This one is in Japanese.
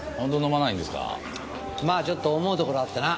まあちょっと思うところあってな。